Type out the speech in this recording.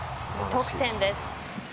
２得点です。